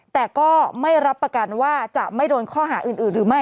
แต่ก็ไม่รับประกันว่าจะไม่โดนข้อหาอื่นหรือไม่